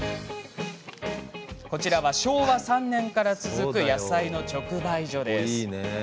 こちらは昭和３年から続く野菜の直売所。